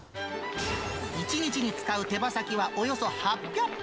１日に使う手羽先は、およそ８００本。